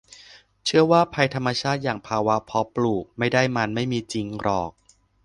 เชื่อว่าภัยธรรมชาติอย่างภาวะเพาะปลูกไม่ได้มันไม่มีจริงหรอก